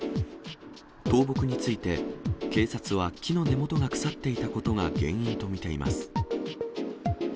倒木について、警察は木の根元が腐っていたことが原因と見ています。